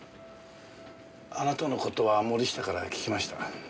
あなたの事は森下から聞きました。